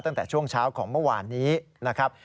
ตั้งแต่ช่วงเช้าของเมื่อวานนี้นะครับ